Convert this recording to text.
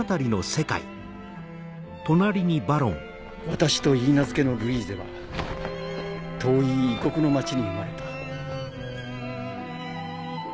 私といいなずけのルイーゼは遠い異国の町に生まれた。